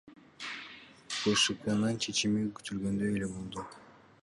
БШКнын чечими күтүлгөндөй эле болду.